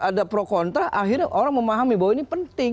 ada pro kontra akhirnya orang memahami bahwa ini penting